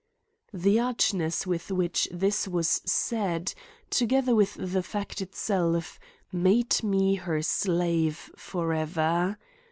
_" The archness with which this was said, together with the fact itself, made me her slave forever.